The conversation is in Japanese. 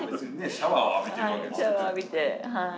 シャワー浴びてはい。